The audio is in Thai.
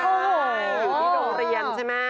ใช่อยู่ที่โรงเรียนใช่ไหม